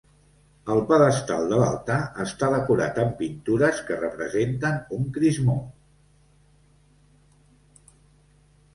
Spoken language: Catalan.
El pedestal de l'altar està decorat amb pintures que representen un crismó.